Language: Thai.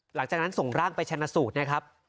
หลังจากนั้นส่งร่างไปชนะสูตรนะครับ